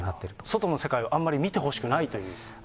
外の世界はあんまり見てほしくないというところもある。